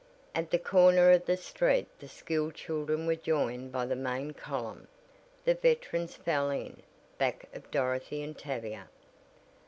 At the corner of the street the school children were joined by the main column. The veterans fell in back of Dorothy and Tavia!